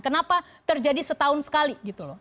kenapa terjadi setahun sekali